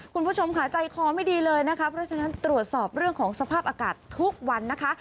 คุณผู้ชมค่ะใจคอไม่ดีเลยนะคะเพราะฉะนั้นตรวจสอบเรื่องของสภาพอากาศทุกวันนะคะ